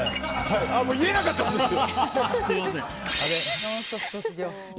言えなかったですよ。